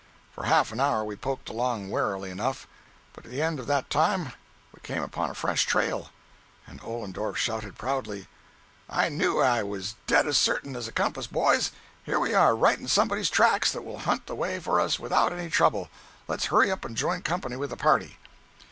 For half an hour we poked along warily enough, but at the end of that time we came upon a fresh trail, and Ollendorff shouted proudly: "I knew I was as dead certain as a compass, boys! Here we are, right in somebody's tracks that will hunt the way for us without any trouble. Let's hurry up and join company with the party."